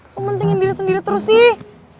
lo mentingin diri sendiri terus sih